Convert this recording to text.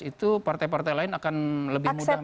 itu partai partai lain akan lebih mudah